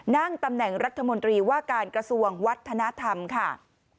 นั่งตำแหน่งรัฐมนตรีว่าการกระทรวงวัฒนธรรมค่ะ